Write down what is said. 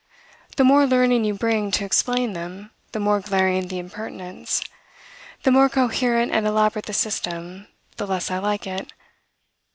The more learning you bring to explain them, the more glaring the impertinence. The more coherent and elaborate the system, the less I like it.